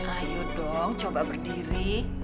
ayo dong coba berdiri